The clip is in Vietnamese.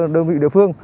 đơn vị địa phương